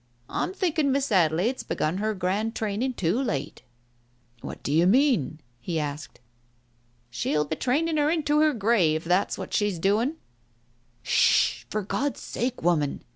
I'm thinking Miss Adelaide's begun her grand training too late." "What d'you mean?" he asked. "She'll be training her into her grave, that's what she's doing." "Sh— h ! for God's sake, woman